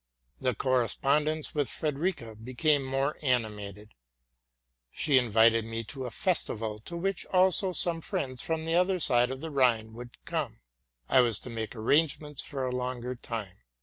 The correspondence with Frederica became more animated. She invited me to a festival, to which also some friends from the other side of the Rhine would come. I was to make arrangements for a longer time.